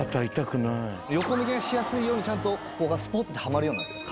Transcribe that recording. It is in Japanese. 横向きがしやすいようにちゃんとここがスポッてハマるようになってます